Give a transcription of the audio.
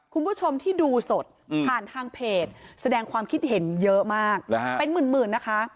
คุณผู้ชมที่ดูสดผ่านทางเพจแสดงความคิดเห็นเยอะมากเป็นหมื่นนะคะ